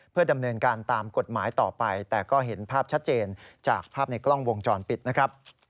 เพื่อดำเนินการตามกฎหมายต่อไปแต่ก็เห็นภาพชัดเจนจากภาพในกล้องวงจรปิดนะครับ